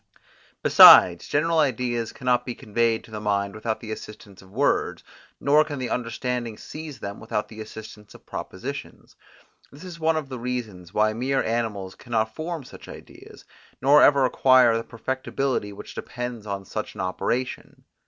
Besides, general ideas cannot be conveyed to the mind without the assistance of words, nor can the understanding seize them without the assistance of propositions. This is one of the reasons, why mere animals cannot form such ideas, nor ever acquire the perfectibility which depends on such an operation.